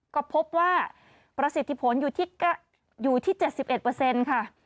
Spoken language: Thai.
ก็พบว่าประสิทธิผลอยู่ที่๗๑ค่ะ